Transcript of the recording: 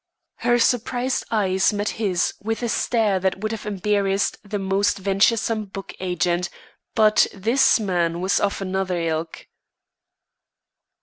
Her surprised eyes met his with a stare that would have embarrassed the most venturesome book agent, but this man was of another ilk.